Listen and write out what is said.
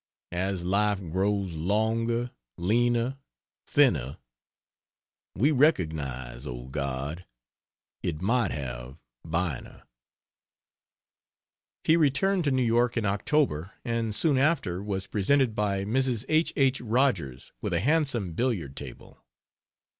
as life grows longer, leaner, thinner, We recognize, O God, it might have Bynner!" He returned to New York in October and soon after was presented by Mrs. H. H. Rogers with a handsome billiard table.